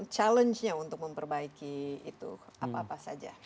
challenge nya untuk memperbaiki itu apa apa saja